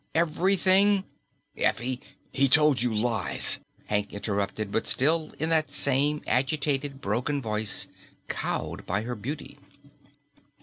Everything " "Effie, he told you lies!" Hank interrupted, but still in that same agitated, broken voice, cowed by her beauty.